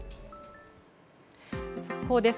速報です。